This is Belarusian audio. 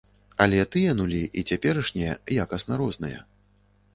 Але тыя нулі і цяперашнія якасна розныя.